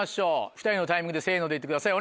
２人のタイミングでせのでいってください